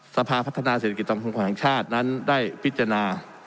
สภาพัฒนาเศรษฐกิจกรรมของขวัญชาตินั้นได้พิจารณา